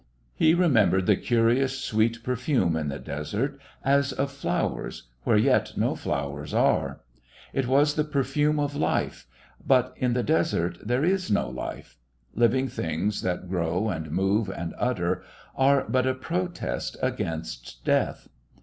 He remembered the curious, sweet perfume in the desert, as of flowers, where yet no flowers are. It was the perfume of life. But in the desert there is no life. Living things that grow and move and utter, are but a protest against death.